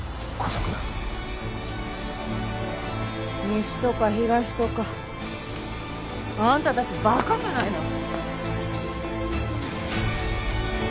西とか東とかあんたたちバカじゃないの。